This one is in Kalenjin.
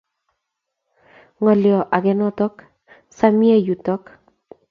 Ngolio age notok sa mie yutok